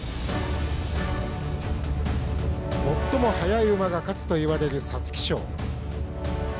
最も速い馬が勝つといわれる皐月賞。